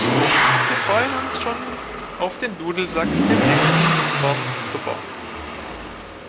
Wir freuen uns schon auf den Dudelsack beim nächsten Burns Supper.